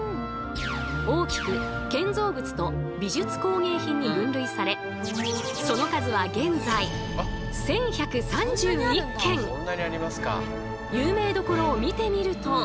大きく「建造物」と「美術工芸品」に分類されその数は現在有名どころを見てみると。